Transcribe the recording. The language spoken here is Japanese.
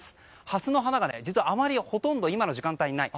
ハスの花が、あまりほとんど今の時間帯はない。